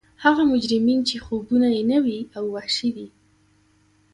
هغه مجرمین چې خوبونه یې نوي او وحشي دي